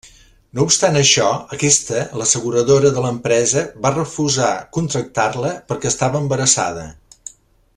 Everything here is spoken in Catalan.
No obstant això, aquesta l'asseguradora de l'empresa va refusar contractar-la, perquè estava embarassada.